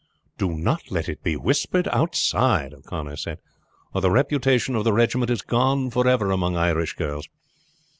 "Do not let it be whispered outside," O'Connor said, "or the reputation of the regiment is gone forever among Irish girls.